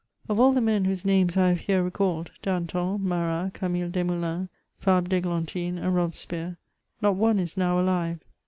Of all the mea whose names I have here recalled, Danton, Marat, Camille Desmoulins, Fabre d'Eglantine, and Robes pierre, not one is now alive.